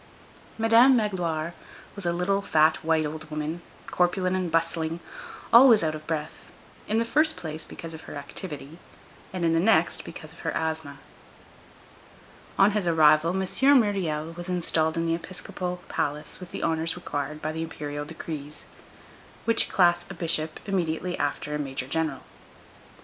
Madame Magloire was a little, fat, white old woman, corpulent and bustling; always out of breath,—in the first place, because of her activity, and in the next, because of her asthma. On his arrival, M. Myriel was installed in the episcopal palace with the honors required by the Imperial decrees, which class a bishop immediately after a major general.